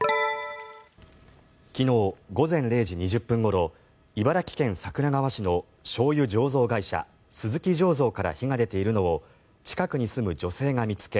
昨日午前０時２０分ごろ茨城県桜川市のしょうゆ醸造会社鈴木醸造から火が出ているのを近くに住む女性が見つけ